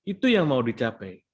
itu yang mau dicapai